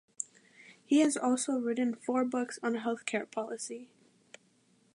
He has also written four books on health care policy.